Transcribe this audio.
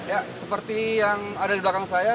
ya seperti yang ada di belakang saya